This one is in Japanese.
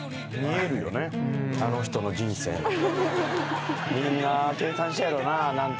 あの人の人生の。